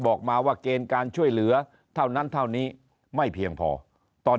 บอกมาว่าเกณฑ์การช่วยเหลือเท่านั้นเท่านี้ไม่เพียงพอตอน